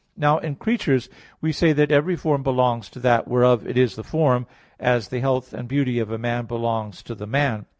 Now in creatures we say that every form belongs to that whereof it is the form; as the health and beauty of a man belongs to the man.